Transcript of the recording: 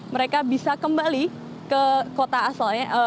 mereka bisa kembali ke kota asalnya